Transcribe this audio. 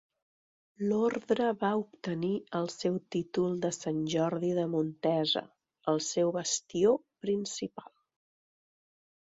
L'ordre va obtenir el seu títol de Sant Jordi de Montesa, el seu bastió principal.